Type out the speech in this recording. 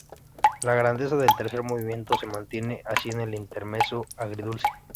La grandeza del tercer movimiento se mantiene así en el intermezzo agridulce.